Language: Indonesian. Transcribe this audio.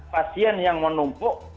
enam belas pasien yang menumpuk